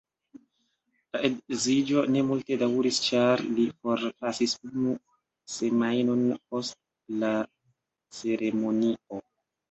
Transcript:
La edziĝo ne multe daŭris ĉar li forpasis unu semajnon post la ceremonio.